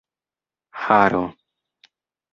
haro